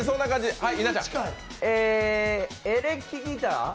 えー、エレキギター？